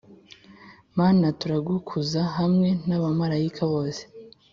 Mana turagukuza hamwe n’abamarayika bose